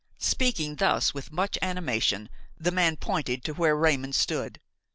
Speaking thus, with much animation, the man pointed to where Raymon stood.